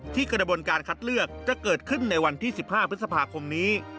กระบวนการคัดเลือกจะเกิดขึ้นในวันที่๑๕พฤษภาคมนี้